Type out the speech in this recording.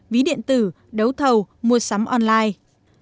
ví điện tử đấu thầu mua sắm online